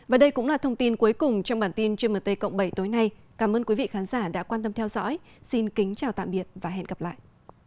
và đây cũng là thông tin cuối cùng trong bản tin gmt cộng bảy tối nay cảm ơn quý vị khán giả đã quan tâm theo dõi xin kính chào tạm biệt và hẹn gặp lại